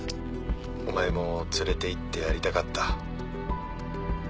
お前も連れていってやりたかった